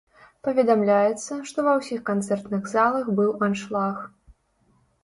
Паведамляецца, што ва ўсіх канцэртных залах быў аншлаг.